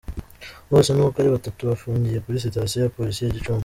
Bose uko ari batatu bafungiye kuri sitasiyo ya polisi ya Gicumbi.